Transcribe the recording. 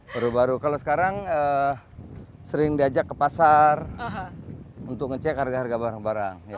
baru baru kalau sekarang sering diajak ke pasar untuk ngecek harga harga barang barang